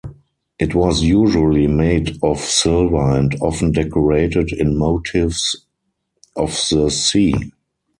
It was usually made of silver and often decorated in motifs of the sea.